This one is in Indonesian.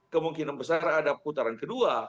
kemungkinan besar ada putaran kedua